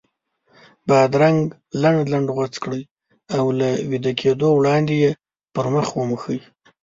بادرنګ لنډ لنډ غوڅ کړئ او له ویده کېدو وړاندې یې پر مخ وموښئ.